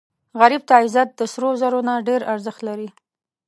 غریب ته عزت د سرو زرو نه ډېر ارزښت لري